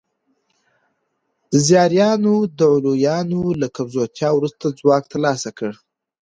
زیاریانو د علویانو له کمزورتیا وروسته ځواک ترلاسه کړ.